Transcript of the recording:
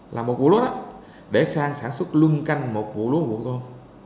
là một vụ lúa đó để sang sản xuất lưng canh một vụ lúa một vụ tôm